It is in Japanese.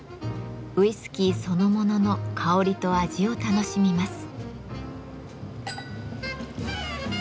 ウイスキーそのものの香りと味を楽しみます。